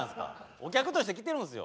お客として来てるんすよ。